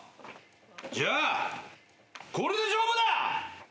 じゃあこれで勝負だ！